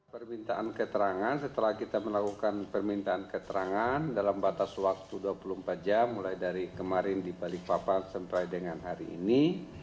permintaan keterangan setelah kita melakukan permintaan keterangan dalam batas waktu dua puluh empat jam mulai dari kemarin di balikpapan sampai dengan hari ini